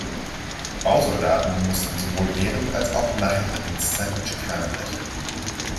Bausoldaten mussten sowohl während als auch nach ihrer Dienstzeit mit Schikanen rechnen.